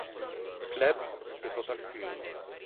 Club e Total Film.